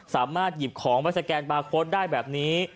สามารถหยิบของมาสแกนบาร์โค้ดได้แบบนี้